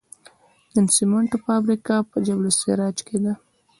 د سمنټو فابریکه په جبل السراج کې ده